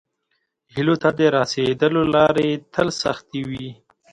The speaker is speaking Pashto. هیلو ته د راسیدلو لارې تل سختې وي.